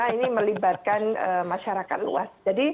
karena ini melibatkan masyarakat luas